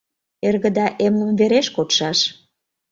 — Эргыда эмлымвереш кодшаш.